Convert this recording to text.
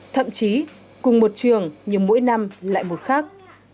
thậm chí cùng một trường nhưng mỗi năm lại một khác